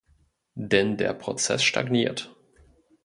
Denn der Prozess stagniert.